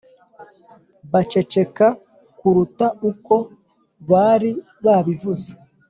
baceceka kuruta uko bari babivuze,